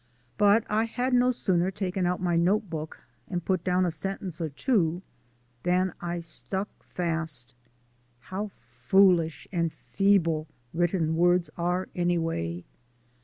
But I had no sooner taken out my note book and put down a sentence or two than I stuck fast. How foolish and feeble written words are anyway!